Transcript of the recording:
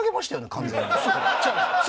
完全に。